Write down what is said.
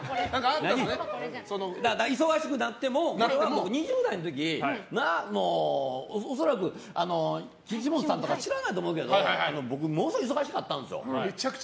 僕、２０代の時恐らく岸本さんとか知らないと思うけど僕、ものすごい忙しかったんですよ。